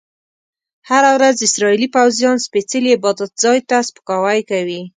هره ورځ اسرایلي پوځیان سپیڅلي عبادت ځای ته سپکاوی کوي.